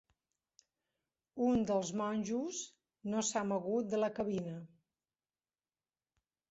Un dels monjos no s'ha mogut de la cabina.